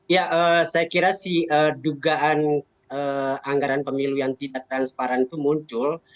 ya saya kira si dugaan anggaran pemilu yang tidak transparan itu muncul